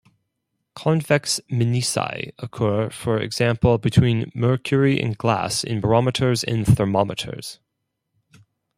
Convex menisci occur, for example, between mercury and glass in barometers and thermometers.